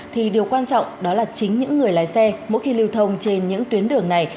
thì điều quan trọng đó là chính những người lái xe mỗi khi lưu thông trên những tuyến đường này